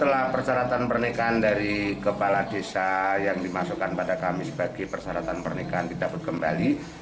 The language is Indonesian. setelah persyaratan pernikahan dari kepala desa yang dimasukkan pada kamis bagi persyaratan pernikahan dicabut kembali